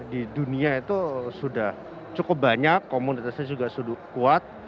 di dunia itu sudah cukup banyak komunitasnya juga sudah kuat